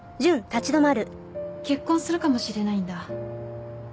結婚するかもしれないんだ。